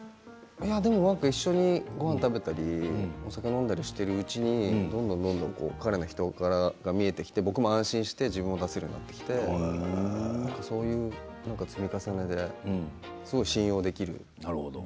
でも一緒にごはんを食べたりお酒を飲んだりしているうちに、どんどんどんどん彼の人柄が見えてきて僕も安心して自分を出せるようになってきてそういう積み重ねですごく信用できる。